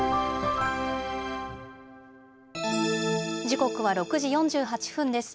時刻は６時４８分です。